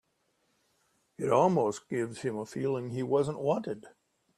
It almost gives him a feeling he wasn't wanted.